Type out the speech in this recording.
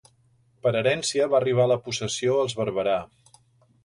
Per herència va arribar la possessió als Barberà.